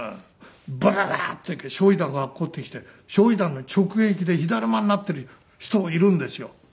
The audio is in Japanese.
バババッて焼夷弾が落っこってきて焼夷弾の直撃で火だるまになってる人もいるんですよ。